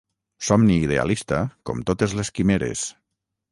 Somni idealista com totes les quimeres.